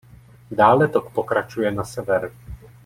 Dále tok pokračuje na sever.